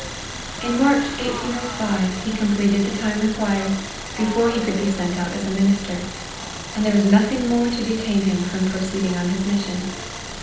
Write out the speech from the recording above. In March 1805, he completed the time required, before he could be sent out as a minister, and there was nothing more to detain him from proceeding on his mission.